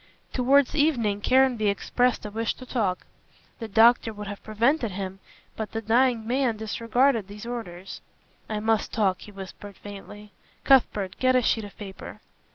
Towards evening Caranby expressed a wish to talk. The doctor would have prevented him, but the dying man disregarded these orders. "I must talk," he whispered faintly. "Cuthbert, get a sheet of paper."